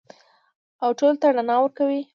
او ټولو ته رڼا ورکوي.